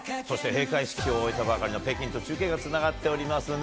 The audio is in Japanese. そして閉会式を終えたばかりの北京と中継がつながっております。